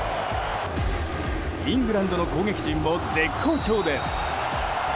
イングランドの攻撃陣も絶好調です。